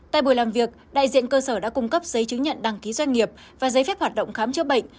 tại buổi làm việc đại diện cơ sở đã cung cấp giấy chứng nhận đăng ký doanh nghiệp và giấy phép hoạt động khám chữa bệnh